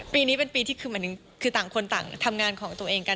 ปีนี้เป็นปีที่คือต่างคนต่างทำงานของตัวเองกัน